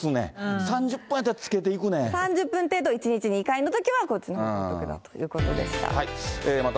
３０分程度、１日２回のときはこっちのほうがお得だということでした。